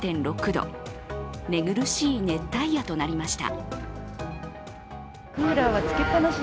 寝苦しい熱帯夜となりました。